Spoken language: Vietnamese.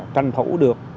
tranh thủ được